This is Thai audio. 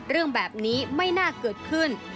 เรื่องแบบนี้ไม่น่าเกิดขึ้น